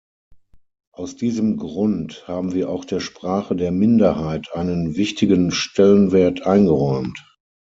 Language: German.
Aus diesem Grund haben wir auch der Sprache der Minderheit einen wichtigen Stellenwert eingeräumt.